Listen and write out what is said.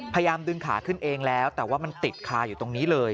พยายามดึงขาขึ้นเองแล้วแต่ว่ามันติดคาอยู่ตรงนี้เลย